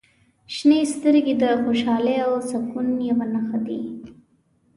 • شنې سترګې د خوشحالۍ او سکون یوه نښه دي.